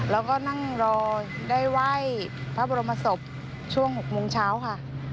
แล้วก็นั่งรอได้ไหว้พระบรมศพช่วง๖โมงเช้าค่ะ